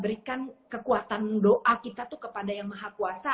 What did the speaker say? berikan kekuatan doa kita tuh kepada yang maha kuasa